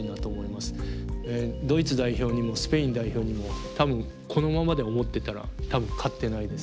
ドイツ代表にもスペイン代表にもこのままで思ってたら多分勝ってないです。